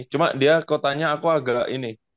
cuma dia kotanya aku agak ini